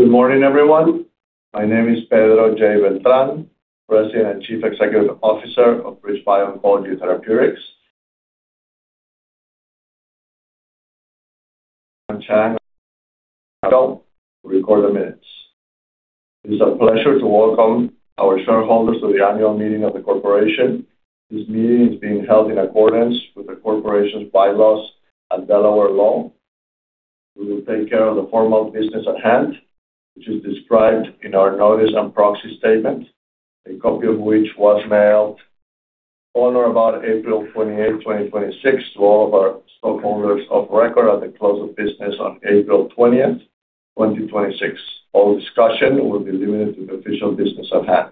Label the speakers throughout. Speaker 1: Good morning, everyone. My name is Pedro J. Beltran, President and Chief Executive Officer of BridgeBio Oncology Therapeutics. I am here to record the minutes. It is a pleasure to welcome our shareholders to the annual meeting of the corporation. This meeting is being held in accordance with the corporation's bylaws and Delaware law. We will take care of the formal business at hand, which is described in our notice and proxy statement, a copy of which was mailed on or about April 28th, 2026, to all of our stockholders of record at the close of business on April 20th, 2026. All discussion will be limited to the official business at hand.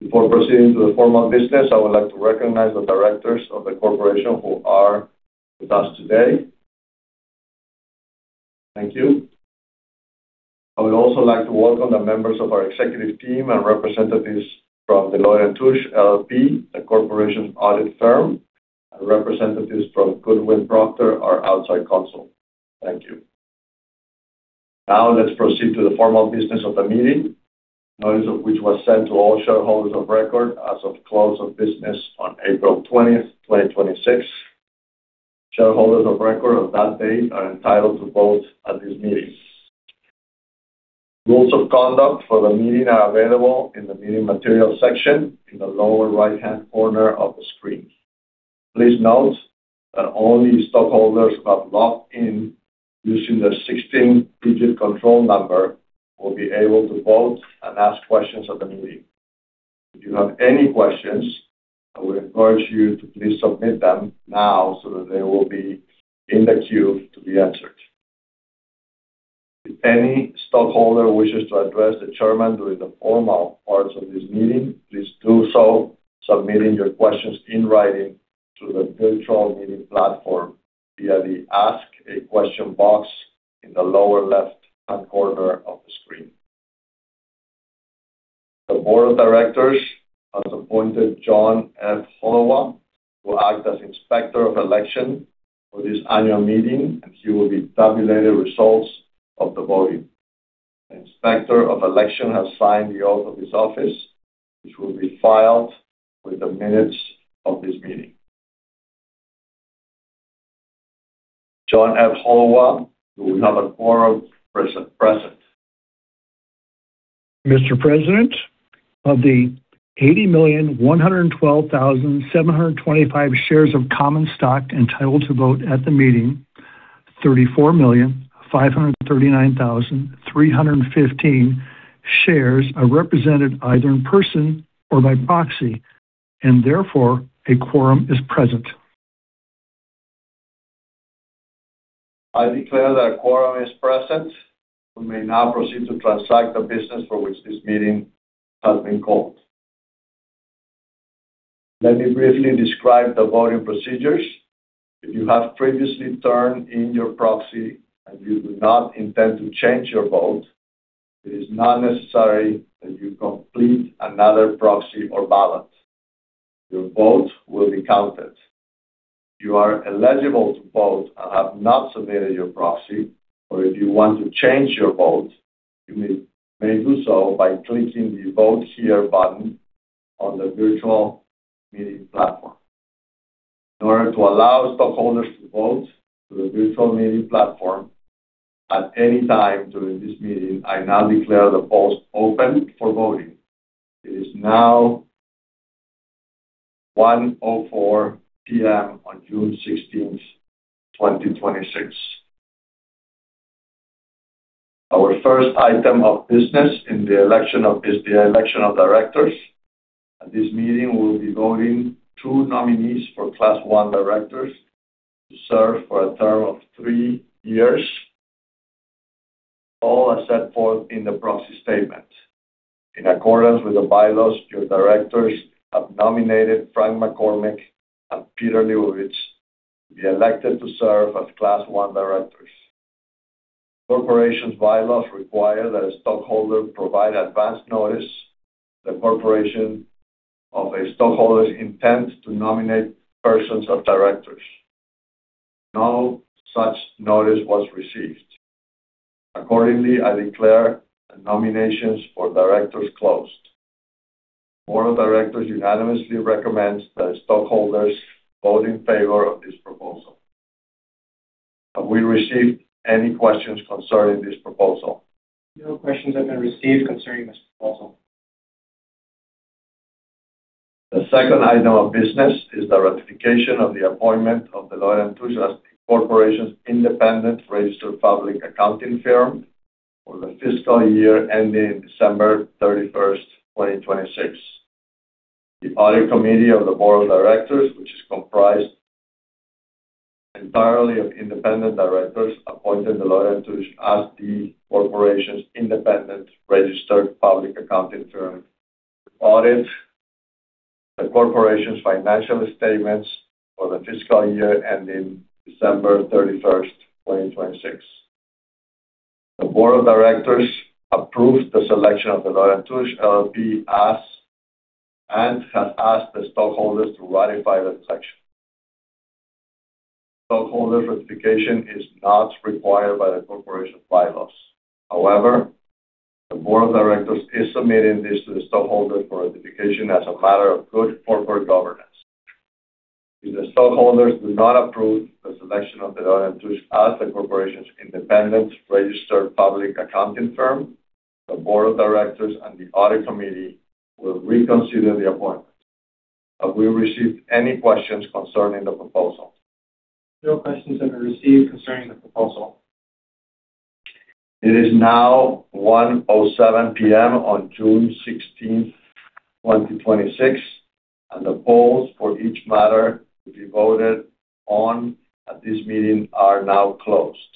Speaker 1: Before proceeding to the formal business, I would like to recognize the directors of the corporation who are with us today. Thank you. I would also like to welcome the members of our executive team and representatives from Deloitte & Touche LLP, the corporation's audit firm, and representatives from Goodwin Procter, our outside counsel. Thank you. Let's proceed to the formal business of the meeting, notice of which was sent to all shareholders of record as of close of business on April 20th, 2026. Shareholders of record of that date are entitled to vote at this meeting. Rules of conduct for the meeting are available in the Meeting Materials section in the lower right-hand corner of the screen. Please note that only stockholders who have logged in using their 16-digit control number will be able to vote and ask questions at the meeting. If you have any questions, I would encourage you to please submit them now so that they will be in the queue to be answered. If any stockholder wishes to address the chairman during the formal parts of this meeting, please do so submitting your questions in writing to the virtual meeting platform via the Ask a Question box in the lower left-hand corner of the screen. The Board of Directors has appointed [John F. Holowach] to act as Inspector of Election for this annual meeting, and he will be tabulating the results of the voting. The Inspector of Election has signed the oath of his office, which will be filed with the minutes of this meeting. [John F. Holowach], do we have a quorum present?
Speaker 2: Mr. President, of the 80,112,725 shares of common stock entitled to vote at the meeting, 34,539,315 shares are represented either in person or by proxy, therefore, a quorum is present.
Speaker 1: I declare that a quorum is present. We may now proceed to transact the business for which this meeting has been called. Let me briefly describe the voting procedures. If you have previously turned in your proxy, and you do not intend to change your vote, it is not necessary that you complete another proxy or ballot. Your vote will be counted. If you are eligible to vote and have not submitted your proxy, or if you want to change your vote, you may do so by clicking the Vote Here button on the virtual meeting platform. In order to allow stockholders to vote through the virtual meeting platform at any time during this meeting, I now declare the polls open for voting. It is now 1:04 P.M. on June 16th, 2026. Our first item of business is the election of directors. At this meeting, we will be voting two nominees for Class I directors to serve for a term of three years. All as set forth in the proxy statement. In accordance with the bylaws, your directors have nominated Frank McCormick and Peter Lebowitz to be elected to serve as Class I directors. The corporation's bylaws require that a stockholder provide advance notice to the corporation of a stockholder's intent to nominate persons as directors. No such notice was received. Accordingly, I declare the nominations for directors closed. The board of directors unanimously recommends that stockholders vote in favor of this proposal. Have we received any questions concerning this proposal?
Speaker 2: No questions have been received concerning this proposal.
Speaker 1: The second item of business is the ratification of the appointment of Deloitte & Touche as the corporation's independent registered public accounting firm for the fiscal year ending December 31st, 2026. The audit committee of the board of directors, which is comprised entirely of independent directors, appointed Deloitte & Touche as the corporation's independent registered public accounting firm to audit the corporation's financial statements for the fiscal year ending December 31st, 2026. The board of directors approved the selection of Deloitte & Touche LLP, and has asked the stockholders to ratify the selection. Stockholder certification is not required by the corporation bylaws. The board of directors is submitting this to the stockholders for ratification as a matter of good corporate governance. If the stockholders do not approve the selection of Deloitte & Touche as the corporation's independent registered public accounting firm, the board of directors and the audit committee will reconsider the appointment. Have we received any questions concerning the proposal?
Speaker 2: No questions have been received concerning the proposal.
Speaker 1: It is now 1:07 P.M. on June 16th, 2026, and the polls for each matter to be voted on at this meeting are now closed.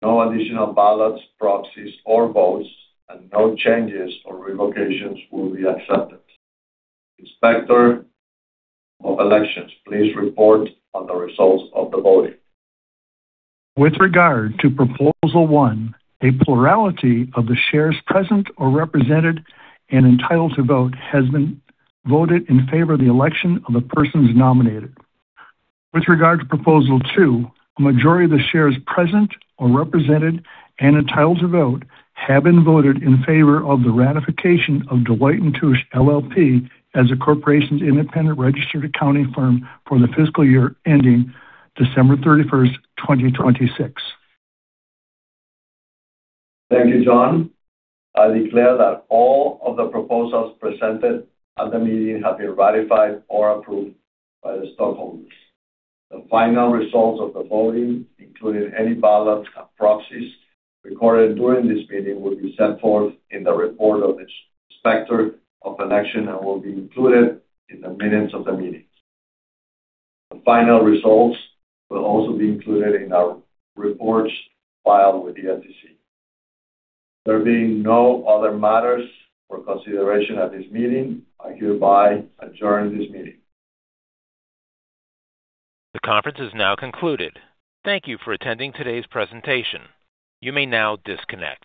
Speaker 1: No additional ballots, proxies, or votes, and no changes or revocations will be accepted. Inspector of Election, please report on the results of the voting.
Speaker 2: With regard to proposal one, a plurality of the shares present or represented and entitled to vote has been voted in favor of the election of the persons nominated. With regard to proposal two, a majority of the shares present or represented and entitled to vote have been voted in favor of the ratification of Deloitte & Touche LLP as the corporation's independent registered accounting firm for the fiscal year ending December 31st, 2026.
Speaker 1: Thank you, John. I declare that all of the proposals presented at the meeting have been ratified or approved by the stockholders. The final results of the voting, including any ballots and proxies recorded during this meeting, will be set forth in the report of the Inspector of Election and will be included in the minutes of the meeting. The final results will also be included in our reports filed with the SEC. There being no other matters for consideration at this meeting, I hereby adjourn this meeting.
Speaker 3: The conference is now concluded. Thank you for attending today's presentation. You may now disconnect.